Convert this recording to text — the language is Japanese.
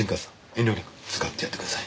遠慮なく使ってやってください。